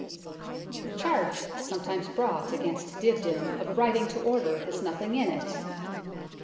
The charge sometimes brought against Dibdin of writing to order has nothing in it.